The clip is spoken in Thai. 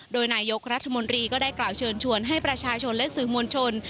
โดยนายกรัฐมนตรีก็ได้กล่าวเชิญชวนให้ประชาชนและสื่อมวลชน